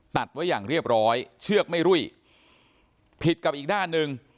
ตัดไว้อย่างเรียบร้อยเชือกไม่รุ่ยผิดกับอีกด้านหนึ่ง